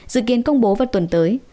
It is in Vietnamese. dự kiến công bố vào tuần tới